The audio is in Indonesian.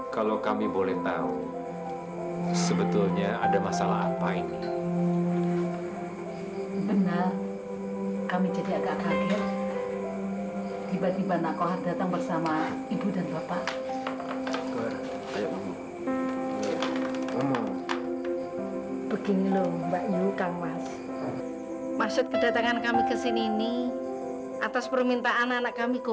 kalau kohar dan orang tuanya datang untuk melamar kamu